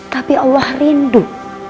tapi allah rindu